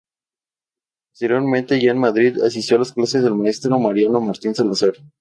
Posteriormente, ya en Madrid, asistió a las clases del maestro Mariano Martín Salazar.